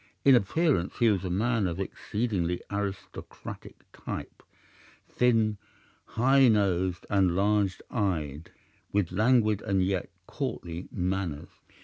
In appearance he was a man of exceedingly aristocratic type, thin, high nosed, and large eyed, with languid and yet courtly manners.